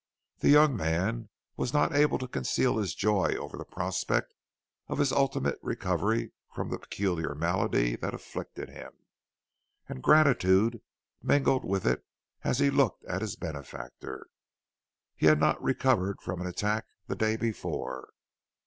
The young man was not able to conceal his joy over the prospect of his ultimate recovery from the peculiar malady that afflicted him, and gratitude mingled with it as he looked at his benefactor. He had not recovered from an attack the day before.